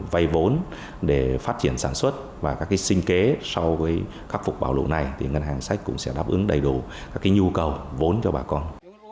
vây vốn để phát triển sản xuất và các cái sinh kế sau cái khắc phục bảo lộ này thì ngân hàng chính sách cũng sẽ đáp ứng đầy đủ các cái nhu cầu vốn cho bà con